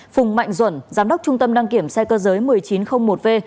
phùng mạnh duẩn giám đốc trung tâm đăng kiểm xe cơ giới một nghìn chín trăm linh một v